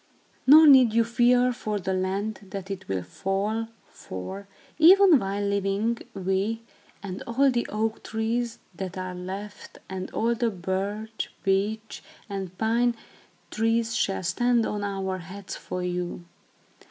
Nor need you fear for the land, that it will fall; for, even while living, we, and all the oak trees that are left, and all the birch, beech, and pine trees shall stand on our heads for you.